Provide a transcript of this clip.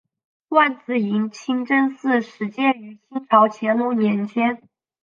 万子营清真寺始建于清朝乾隆年间。